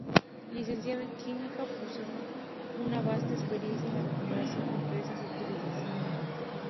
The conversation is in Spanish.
Licenciado en Química, posee una vasta experiencia en la recuperación de empresas en crisis.